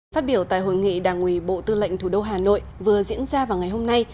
phát biểu tại hội nghị đảng ủy bộ tư lệnh thủ đô hà nội vừa diễn ra vào ngày hôm nay